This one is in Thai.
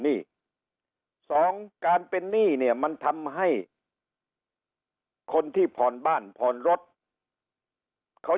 นี่สองการเป็นหนี้เนี่ยมันทำให้คนที่พรบ้านพรรถเขา